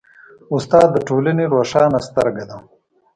استاد د ټولنې روښانه سترګه ده.